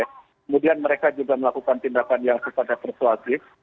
kemudian mereka juga melakukan tindakan yang sukses dan persuasif